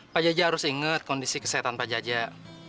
pak jajah harus ingat kondisi kesehatan pak jajah